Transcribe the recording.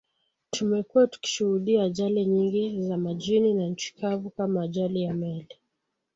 Tumekuwa tukishuhudia ajali nyingi za majini na nchi kavu kama ajali ya meli